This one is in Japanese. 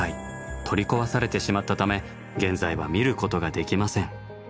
取り壊されてしまったため現在は見ることができません。